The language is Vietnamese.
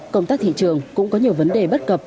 công tác thị trường cũng có nhiều vấn đề bất cập